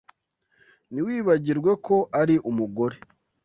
Ntiwibagirwe ko ari umugore.